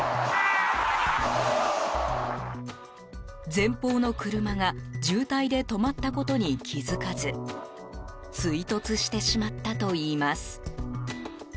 前方の車が渋滞で止まったことに気づかず追突してしまったといいます。